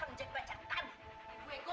ini tempat apa ya nek